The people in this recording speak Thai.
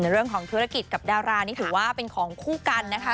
เรื่องของธุรกิจกับดารานี่ถือว่าเป็นของคู่กันนะคะ